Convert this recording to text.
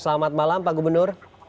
selamat malam pak gubernur